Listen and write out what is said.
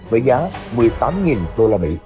với giá một mươi tám usd